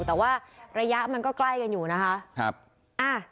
แต่ว่าระยะมันก็ใกล้กันอยู่นะคะ